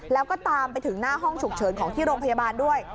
แล้วก็ตามไปถึงหน้าห้องฉุกเฉินของที่โรงพยาบาลด้วย